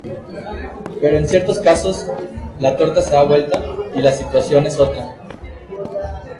Pero en ciertos casos, la "torta se da vuelta" y la situación es otra.